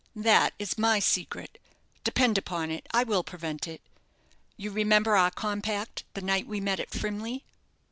"That is my secret. Depend upon it I will prevent it. You remember our compact the night we met at Frimley."